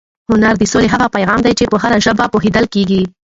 هنر د سولې هغه پیغام دی چې په هره ژبه پوهېدل کېږي.